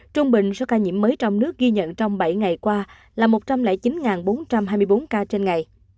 trung bình số ca nhiễm mới trong nước ghi nhận trong bảy ngày qua là một trăm linh chín bốn trăm hai mươi bốn ca trên ngày